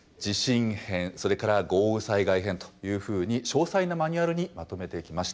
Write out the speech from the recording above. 地震編それから豪雨災害編というふうに詳細なマニュアルにまとめていきました。